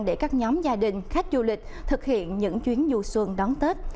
để các nhóm gia đình khách du lịch thực hiện những chuyến du xuân đón tết